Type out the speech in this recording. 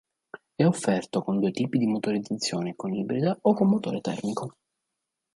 È offerto con due tipi di motorizzazione con ibrida o con motore termico.